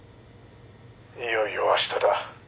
「いよいよ明日だ」